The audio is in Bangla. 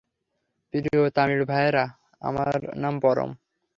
প্রিয় তামিঢ় ভাইয়েরা, আমার নাম পরম।